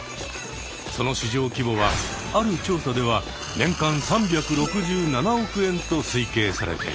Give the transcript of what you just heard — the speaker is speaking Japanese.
その市場規模はある調査では年間３６７億円と推計されています。